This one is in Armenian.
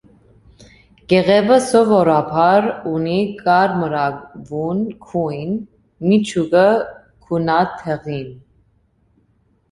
Կեղևը սովորաբար ունի կարմրավուն գույն, միջուկը՝ գունատ դեղին։